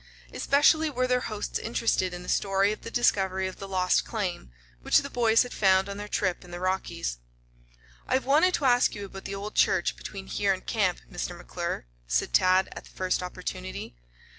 Especially were their hosts interested in the story of the discovery of the Lost Claim, which the boys had found on their trip in the Rockies. "I have wanted to ask you about the old church between here and camp, Mr. McClure," said Tad at the first opportunity.